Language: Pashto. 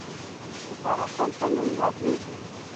د تراکم په نوم یادیږي.